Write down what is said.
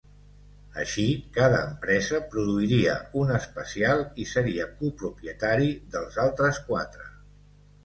Així, cada empresa produiria un especial i seria copropietari dels altres quatre.